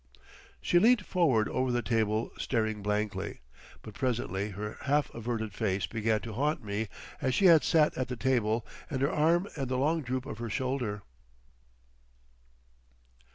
She leant forward over the table, staring blankly. But presently her half averted face began to haunt me as she had sat at the table, and her arm and the long droop of her shoulder.